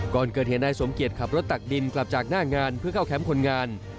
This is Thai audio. ก่อนเกิดเหตุนายสมเกียจขับรถตักดินกลับจากหน้างานเพื่อเข้าแคมป์คนงาน